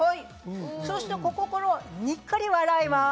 そしてここからにっこり笑います。